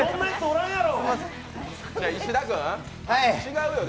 石田君、違うよね